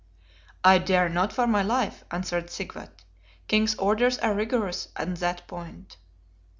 "I dare not for my life," answered Sigvat; "King's orders are rigorous on that point."